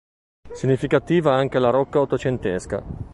Significativa anche la Rocca Ottocentesca.